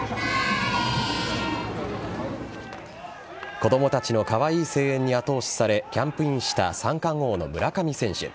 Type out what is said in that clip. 子供たちのカワイイ声援に後押しされキャンプインした三冠王の村上選手。